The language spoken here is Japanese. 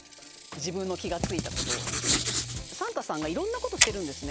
自分の気がついたことサンタさんが色んなことしてるんですね